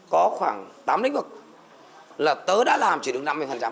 có khoảng tám lĩnh vực là tớ đã làm chỉ được năm mươi